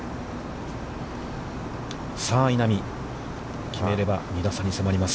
さあ稲見、決めれば２打差に迫ります。